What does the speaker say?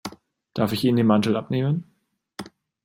Darf ich Ihnen den Mantel abnehmen?